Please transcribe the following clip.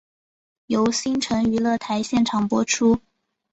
由新城娱乐台现场播出。